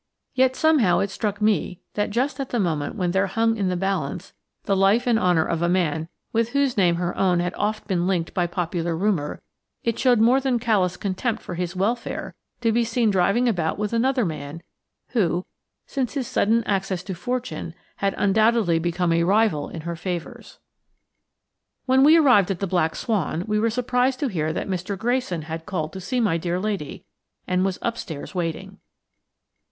Yet somehow it struck me that just at the moment when there hung in the balance the life and honour of a man with whose name her own had oft been linked by popular rumour, it showed more than callous contempt for his welfare to be seen driving about with another man who, since his sudden access to fortune, had undoubtedly become a rival in her favours. When we arrived at the "Black Swan," we were surprised to hear that Mr. Grayson had called to see my dear lady, and was upstairs waiting.